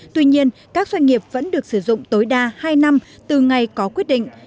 tuy nhiên các doanh nghiệp vẫn được sử dụng tối đa hai năm từ ngày có quyết định